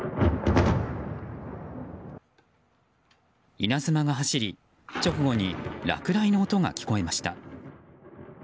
稲妻が走り直後に落雷の音が聞こえました。